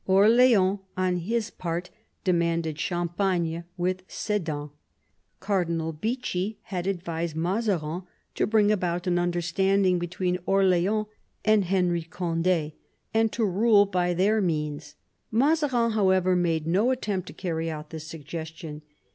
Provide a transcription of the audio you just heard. Orleans, on his part, demanded Champagne with Sedan. Cardinal Bichl had advised Mazarin to bring about an understanding between Orleans and Henry Cond^ and to rule by their means. Mazarin, however, made no attempt to carry out this suggestion.